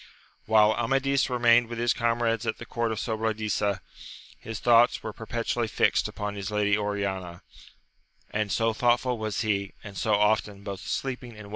HILE Amadis remained with his comrades at the court of Sobradisa, his thoughts were perpetually fixed upon his lady Oriana; and, so thoughtful was he, and so often, both sleeping and AMADIS OF GAUL.